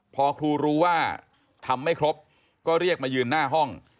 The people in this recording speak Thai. พอครูรู้ว่าทำไม่ครบก็เรียกมายืนหน้าห้อง